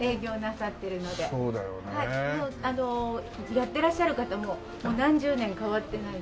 やってらっしゃる方ももう何十年変わってないです。